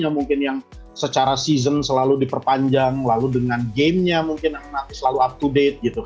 mungkin yang secara season selalu diperpanjang lalu dengan gamenya mungkin yang nanti selalu up to date